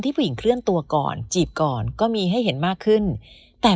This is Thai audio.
ผู้หญิงเคลื่อนตัวก่อนจีบก่อนก็มีให้เห็นมากขึ้นแต่